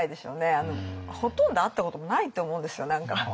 ほとんど会ったこともないって思うんですよ何か。